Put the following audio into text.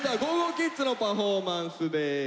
ｋｉｄｓのパフォーマンスです。